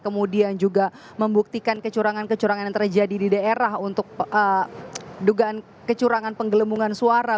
kemudian juga membuktikan kecurangan kecurangan yang terjadi di daerah untuk dugaan kecurangan penggelembungan suara